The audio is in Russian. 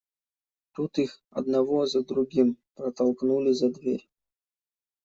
Тут их одного за другим протолкнули за дверь.